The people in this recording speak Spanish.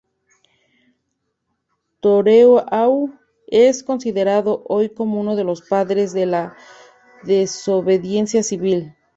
Thoreau es considerado hoy como uno de los padres de la desobediencia civil.